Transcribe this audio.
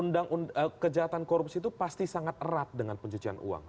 dan kejahatan korupsi itu pasti sangat erat dengan pencucian uang